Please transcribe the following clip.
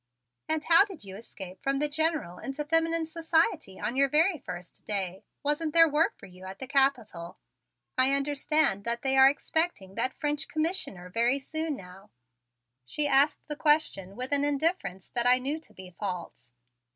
"And how did you escape from the General into feminine society on your very first day? Wasn't there work for you at the Capitol? I understand that they are expecting that French Commissioner very soon now." She asked the question with an indifference that I knew to be false.